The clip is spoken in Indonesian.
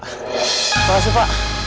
terima kasih pak